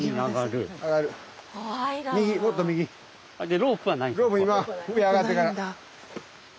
ロープ今上あがってから。